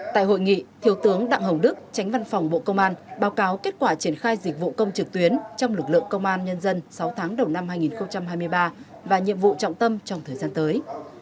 tại hội nghị thiếu tướng đặng hồng đức tránh văn phòng bộ công an báo cáo kết quả triển khai dịch vụ công trực tuyến trong lực lượng công an nhân dân sáu tháng đầu năm hai nghìn hai mươi ba và nhiệm vụ trọng tâm trong thời gian tới